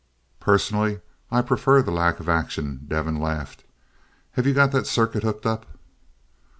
"Personally, I prefer the lack of action." Devin laughed. "Have you got that circuit hooked up?"